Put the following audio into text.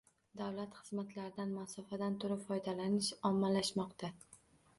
Davlat xizmatlaridan masofadan turib foydalanish ommalashmoqda